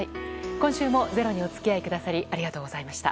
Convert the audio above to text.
今週も「ｚｅｒｏ」にお付き合いくださりありがとうございました。